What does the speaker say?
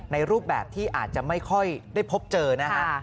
รูปแบบที่อาจจะไม่ค่อยได้พบเจอนะฮะ